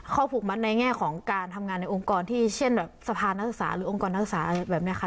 ผูกมัดในแง่ของการทำงานในองค์กรที่เช่นแบบสะพานนักศึกษาหรือองค์กรนักศึกษาอะไรแบบนี้ค่ะ